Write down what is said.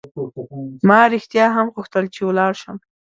ما رښتیا هم غوښتل چې ولاړ شم.